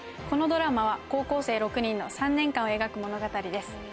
このドラマは高校生６人の３年間を描く物語です。